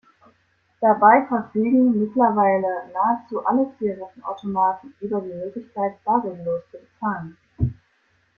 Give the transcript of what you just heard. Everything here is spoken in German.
Dabei verfügen mittlerweile nahezu alle Zigarettenautomaten über die Möglichkeit bargeldlos zu bezahlen.